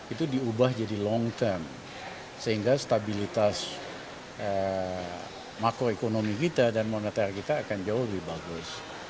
itu diubah jadi long term sehingga stabilitas makroekonomi kita dan moneter kita akan jauh lebih bagus